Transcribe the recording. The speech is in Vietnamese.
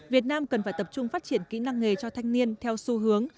việt nam cần phải tập trung phát triển kỹ năng nghề cho thanh niên theo xu hướng